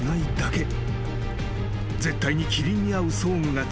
絶対に］